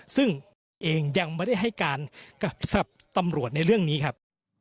ซึ่งตนเองยังไม่ได้ให้การกับตำรวจในเรื่องนี้ครับ